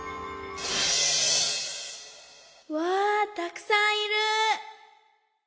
わあたくさんいる！